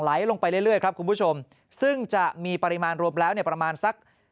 ลงไปเรื่อยครับคุณผู้ชมซึ่งจะมีปริมาณรวมแล้วเนี่ยประมาณสัก